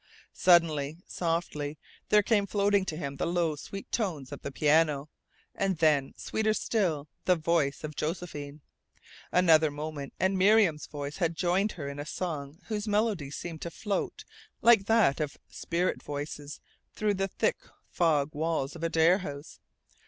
Suddenly, softly, there came floating to him the low, sweet tones of the piano, and then, sweeter still, the voice of Josephine. Another moment and Miriam's voice had joined her in a song whose melody seemed to float like that of spirit voices through the thick fog walls of Adare House.